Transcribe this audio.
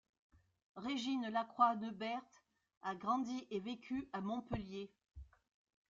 Régine Lacroix-Neuberth a grandi et vécu à Montpellier.